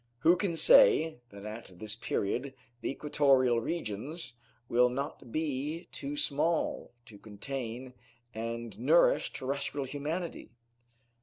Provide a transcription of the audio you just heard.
Who can say, that at this period, the equatorial regions will not be too small, to contain and nourish terrestrial humanity?